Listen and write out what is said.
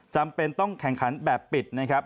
จำเป็นต้องแข่งขันแบบปิดนะครับ